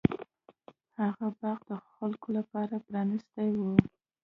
هغه باغ د خلکو لپاره پرانیستی و.